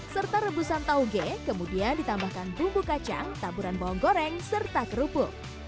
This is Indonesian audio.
serta rebusan tauge kemudian ditambahkan bumbu kacang taburan bawang goreng serta kerupuk